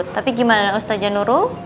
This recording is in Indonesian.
tapi gimana ustazah nurul